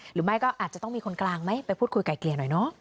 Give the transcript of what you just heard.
หรือไม่ก็อาจจะต้องมีคนกลางไหมไปพูดคุยไก่เกลี่ยหน่อยเนาะ